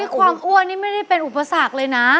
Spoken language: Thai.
ความอ้วนนี่ไม่ได้เป็นอุปสรรคเลยนะ